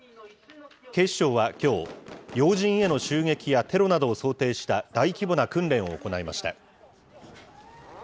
警視庁はきょう、要人への襲撃やテロなどを想定した大規模な訓練を行いました。